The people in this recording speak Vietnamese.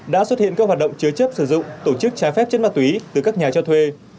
đã xuất hiện các hoạt động chứa chấp sử dụng tổ chức trái phép chất ma túy từ các nhà cho thuê